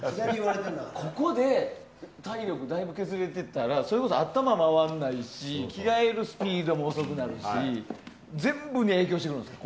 ここで体力がだいぶ削られてたらそれこそ頭回んないし着替えるスピードも遅くなるし全部に影響してくるんですか。